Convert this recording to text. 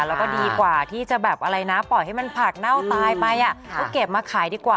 แล้วก็ดีกว่าที่จะแบบอะไรนะปล่อยให้มันผักเน่าตายไปก็เก็บมาขายดีกว่า